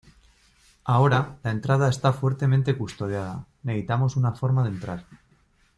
Ahora, la entrada está fuertemente custodiada. Necesitamos una forma de entrar.